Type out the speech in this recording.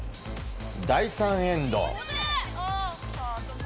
第３エンド。